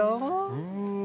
うん。